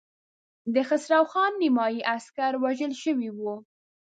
د خسرو خان نيمايي عسکر وژل شوي وو.